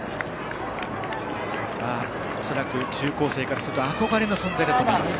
恐らく、中高生からすると憧れの存在だと思いますが。